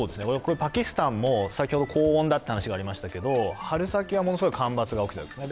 パキスタンも先ほど高温だという話がありましたけれども、春先はものすごい干ばつが起きていたんですね。